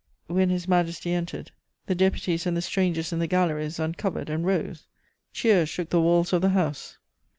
When His Majesty entered, the deputies and the strangers in the galleries uncovered and rose; cheers shook the walls of the house.